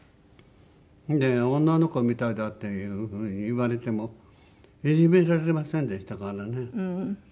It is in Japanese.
で女の子みたいだっていう風に言われてもいじめられませんでしたからね。